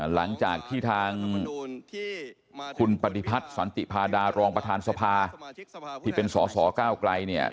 หลังจากที่ทางคุณปฏิพัฒน์สันติพาดารองประธานสภาที่เป็นสอสอก้าวไกลเนี่ย